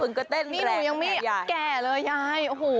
นี่หนูยังไม่แก่เลยยายโอ้โห